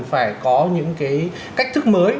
phải có những cái cách thức mới